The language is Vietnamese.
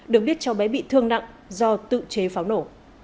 được biết cháu bé bị thương nặng do tự chế pháo nổ